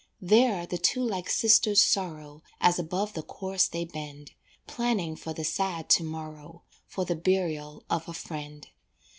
There the two like sisters sorrow, As above the corse they bend, Planning for the sad to morrow For the burial of a friend.